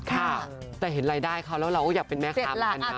ค่ะแต่เห็นรายได้เขาแล้วเราก็อยากเป็นแม่ค้าเหมือนกันนะ